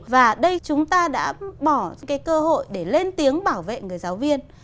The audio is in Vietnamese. và đây chúng ta đã bỏ cái cơ hội để lên tiếng bảo vệ người giáo viên